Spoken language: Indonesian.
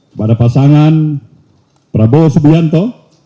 kepada pasangan prabowo subianto